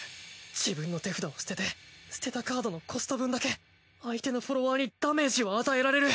自分の手札を捨てて捨てたカードのコスト分だけ相手のフォロワーにダメージを与えられる。